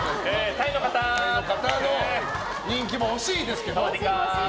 タイの方の人気も欲しいですけど。